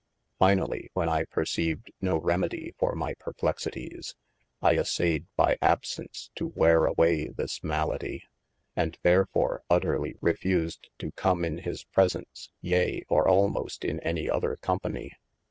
Finally when I perceived no remedye for my perplexityes, I assayed by absence to were away this malady, and therefore utterly refused to come in his presence, yea or almost in any other company.